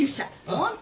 ホント？